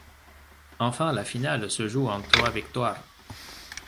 Enfin, la finale se joue en trois victoires.